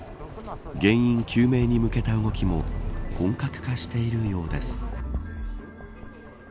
原因究明に向けた動きも本格化しているようです。